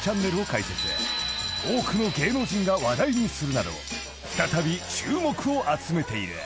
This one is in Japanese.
［多くの芸能人が話題にするなど再び注目を集めている］